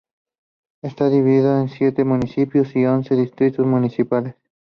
Está dividida en siete municipios y once distritos municipales.